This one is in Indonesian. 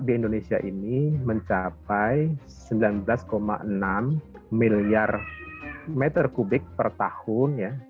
di indonesia ini mencapai sembilan belas enam miliar meter kubik per tahun